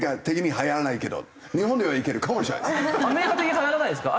アメリカ的にはやらないですか？